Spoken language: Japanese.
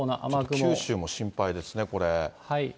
九州も心配ですね、これ。